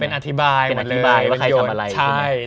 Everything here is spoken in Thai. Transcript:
เป็นอธิบายเป็นยนต์เป็นอธิบายว่าใครทำอะไร